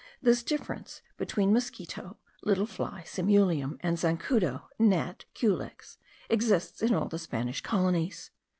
This difference between mosquito (little fly, simulium) and zancudo (gnat, culex) exists in all the Spanish colonies.